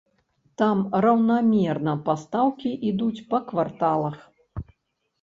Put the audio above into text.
Там раўнамерна пастаўкі ідуць па кварталах.